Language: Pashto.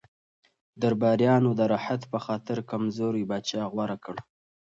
درباریانو د راحت په خاطر کمزوری پاچا غوره کړ.